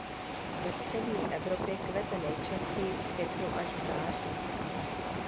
Ve střední Evropě kvete nejčastěji v květnu až v září.